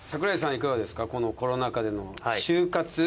いかがですかこのコロナ禍での就活？